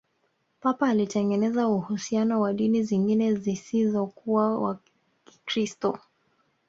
papa alitengeneza uhusiano na dini zingine zisizokuwa wa kikristo